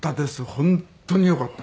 本当によかった。